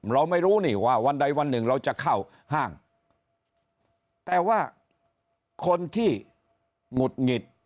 เราไม่รู้นี่ว่าวันใดวันหนึ่งเราจะเข้าห้างแต่ว่าคนที่หงุดหงิด